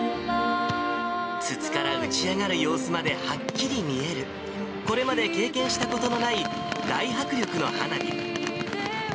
筒から打ち上がる様子まではっきり見える、これまで経験したことのない大迫力の花火。